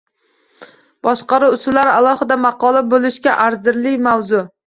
Boshqaruv usullari alohida maqola bo’lishga arzirli mavzu